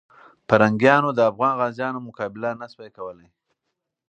پرنګیانو د افغان غازیانو مقابله نه سوه کولای.